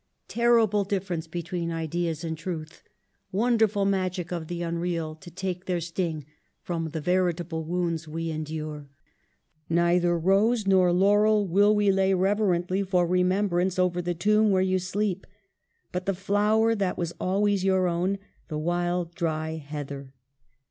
Terrible difference between ideas and truth ; wonderful magic of the unreal to take their sting from the veritable wounds we en dure ! Neither rose nor laurel will we lay reverently for remembrance over the tomb where .you sleep ; but the flower that was always your own, the wild, dry heather.